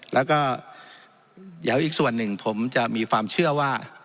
แล้วก็เดี๋ยวอีกส่วนหนึ่งผมจะมีความเชื่อว่า